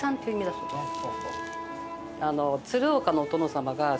そうですね。